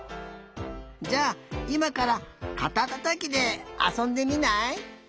じゃあいまからかたたたきであそんでみない？